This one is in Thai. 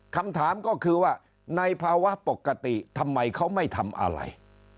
คำถามก็คือว่าในภาวะปกติทำไมเขาไม่ทำอะไร